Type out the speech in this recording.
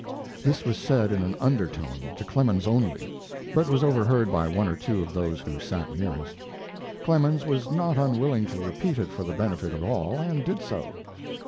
This was said in an undertone, to Clemens only, but was overheard by one or two of those who sat nearest. Clemens was not unwilling to repeat it for the benefit of all, and did so.